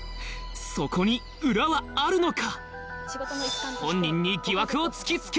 そこに裏はあるのか？